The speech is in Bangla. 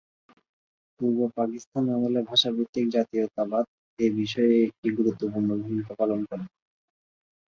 পূর্ব পাকিস্তান আমলে ভাষা ভিত্তিক জাতীয়তাবাদ এ বিষয়ে একটি গুরুত্বপূর্ণ ভূমিকা পালন করে।